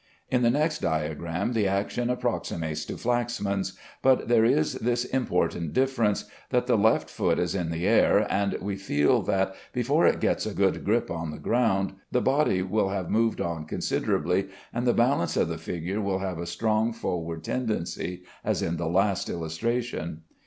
In the next diagram, the action approximates to Flaxman's, but there is this important difference, that the left foot is in the air, and we feel that before it gets a good grip of the ground, the body will have moved on considerably, and the balance of the figure will have a strong forward tendency, as in the last illustration.